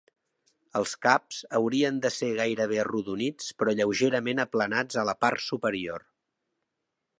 Els caps haurien de ser gairebé arrodonits però lleugerament aplanats a la part superior.